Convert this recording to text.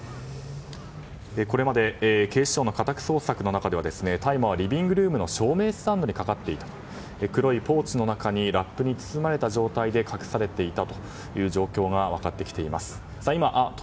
これまで警視庁の家宅捜索の中では大麻はリビングルームの照明スタンドにかかっていたと黒いポーチの中にラップに包まれた状態で隠されていたという状況が分かってきています。